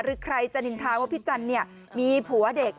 หรือใครจะนิริทาว่าพี่จันมีผัวเด็ก